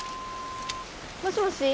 もしもし？